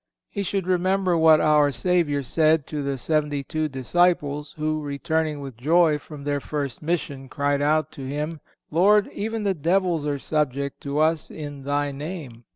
He should remember what our Savior said to the seventy two disciples, who, returning with joy from their first mission, cried out to Him: "Lord, even the devils are subject to us in Thy name."